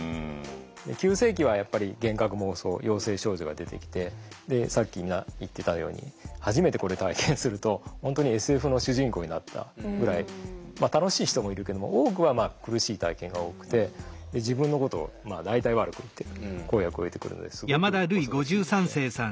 急性期はやっぱり幻覚・妄想陽性症状が出てきてさっき皆言ってたように初めてこれ体験すると本当にＳＦの主人公になったぐらいまあ楽しい人もいるけども多くは苦しい体験が多くて自分のことを大体悪く言ってる声が聞こえてくるのですごく恐ろしいですね。